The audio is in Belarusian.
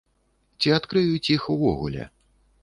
Ці адкрыюць іх увогуле?